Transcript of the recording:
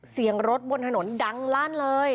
เสียงรถบนถนนดังลั่นเลย